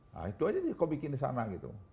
nah itu aja nih kok bikin di sana gitu